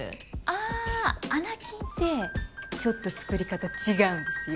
ああ『アナ禁』ってちょっと作り方違うんですよ。